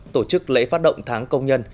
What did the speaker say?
tổ chức lễ phát động tháng công nhân